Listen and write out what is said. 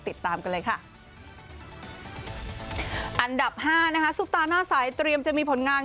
ติดตามกันเลยค่ะอันดับห้านะคะซุปตาหน้าสายเตรียมจะมีผลงาน